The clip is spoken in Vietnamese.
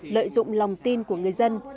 lợi dụng lòng tin của người dân